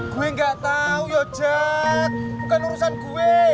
gue nggak tau yojat bukan urusan gue